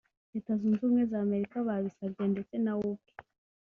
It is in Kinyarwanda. Leta Zunze Ubumwe za Amerika babisabye ndetse na we ubwe